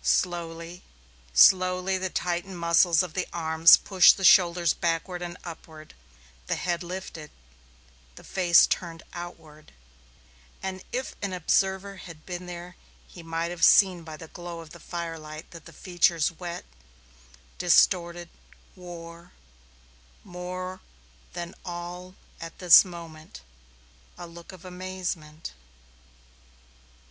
Slowly, slowly the tightened muscles of the arms pushed the shoulders backward and upward; the head lifted; the face turned outward, and if an observer had been there he might have seen by the glow of the firelight that the features wet, distorted, wore, more than all at this moment, a look of amazement.